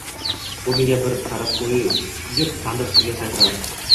U menga bir qarab qo‘yib, tandir ustiga sakradi